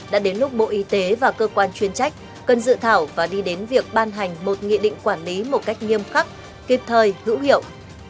đã đến lúc bộ y tế và cơ quan chuyên trách cần dự thảo và đi đến việc ban hành một nghị định quản lý một cách nghiêm khắc kịp thời hữu hiệu